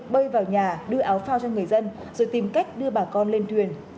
bơi vào nhà đưa áo phao cho người dân rồi tìm cách đưa bà con lên thuyền